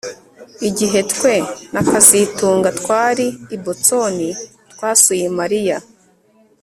Igihe twe na kazitunga twari i Boston twasuye Mariya